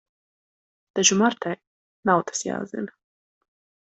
Taču Martai nav tas jāzina.